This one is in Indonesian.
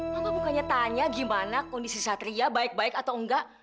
kalau bukannya tanya gimana kondisi satria baik baik atau enggak